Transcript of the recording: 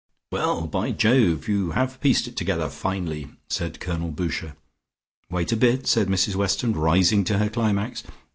"Well, by Jove, you have pieced it together finely," said Colonel Boucher. "Wait a bit," said Mrs Weston, rising to her climax.